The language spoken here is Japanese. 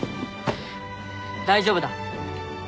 大丈夫だ。